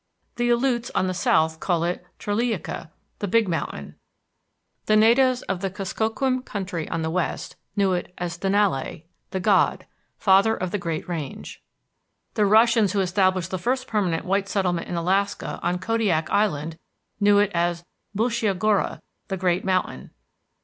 The Aleutes on the south called it Traleika, the big mountain. The natives of the Kuskokwim country on the west knew it as Denalai, the god, father of the great range. The Russians who established the first permanent white settlement in Alaska on Kodiak Island knew it as Bulshia Gora, the great mountain.